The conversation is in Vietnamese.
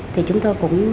thì chúng tôi cũng